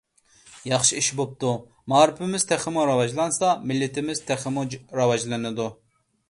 ياخشى ئىش بوپتۇ. مائارىپىمىز تېخىمۇ راۋاجلانسا مىللىتىمىز تېخىمۇ راۋاجلىنىدۇ.